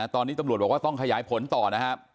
ตอนนี้ตำรวจบอกว่าต้องขยายผลต่อนะครับ